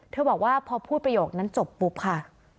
บอกว่าพอพูดประโยคนั้นจบปุ๊บค่ะ